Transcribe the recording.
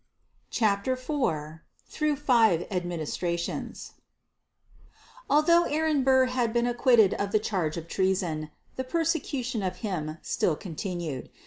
CHAPTER IV THROUGH FIVE ADMINISTRATIONS Although Aaron Burr had been acquitted of the charge of treason, the persecution of him still continued.